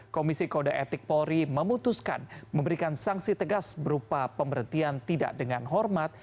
komisi kode etik polri memutuskan memberikan sanksi tegas berupa pemberhentian tidak dengan hormat